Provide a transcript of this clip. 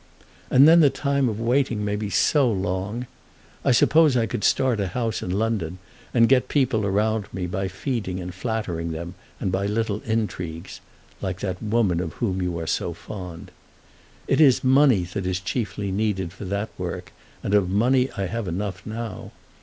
And then the time of waiting may be so long! I suppose I could start a house in London, and get people around me by feeding and flattering them, and by little intrigues, like that woman of whom you are so fond. It is money that is chiefly needed for that work, and of money I have enough now.